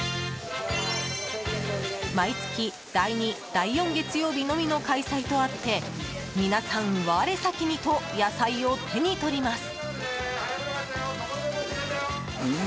毎月第２、第４月曜日のみの開催とあって皆さん、我先にと野菜を手にとります。